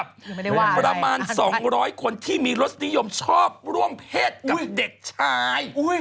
ยังไม่ได้ว่าอะไรอันนั้นแหละประมาณ๒๐๐คนที่มีรสนิยมชอบร่วมเพศกับเด็กชาย